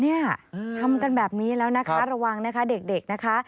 เนี่ยทำกันแบบนี้แล้วนะคะระวังนะคะเด็กนะคะ